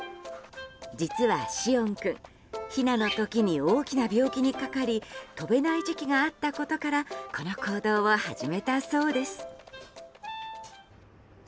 実は四恩君ひなの時に大きな病気にかかり飛べない時期があったことからこの行動を始めたそうです。